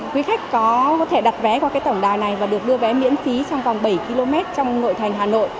quý khách có thể đặt vé qua tổng đài này và được đưa vé miễn phí trong vòng bảy km trong nội thành hà nội